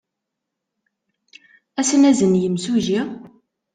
Ad as-nazen i yemsujji?